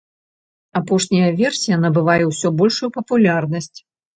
Апошняя версія набывае ўсё большую папулярнасць.